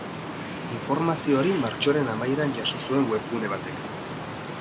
Informazio hori martxoaren amaieran jaso zuen webgune batek.